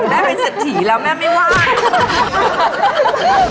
ได้ผมเป็นเสร็จถี่แล้วแม่ไม่ว่าม